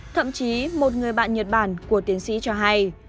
thậm chí một người bạn nhật bản của tiến sĩ cho hay